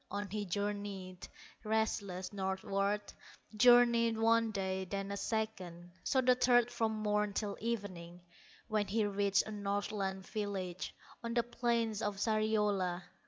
On he journeyed, restless, northward, Journeyed one day, then a second, So the third from morn till evening, When he reached a Northland village On the plains of Sariola.